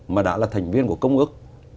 mà đã là thành viên của công ước